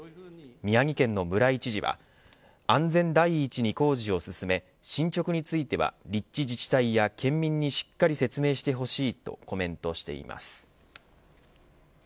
宮城県の村井知事は安全第一に工事を進め進捗については立地自治体や県民にしっかり説明してほしいとコメントしています。